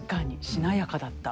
しなやかだった。